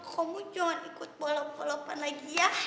kamu jangan ikut balapan balapan lagi ya